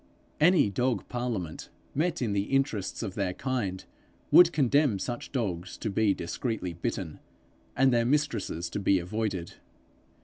Any dog parliament, met in the interests of their kind, would condemn such dogs to be discreetly bitten, and their mistresses to be avoided.